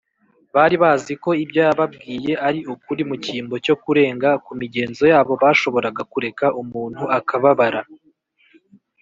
bari bazi ko ibyo yababwiye ari ukuri mu cyimbo cyo kurenga ku migenzo yabo, bashoboraga kureka umuntu akababara